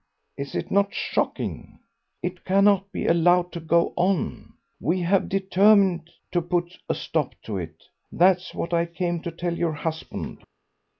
Is it not shocking? It cannot be allowed to go on. We have determined to put a stop to it. That's what I came to tell your husband."